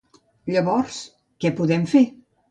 Llavors, què podem fer?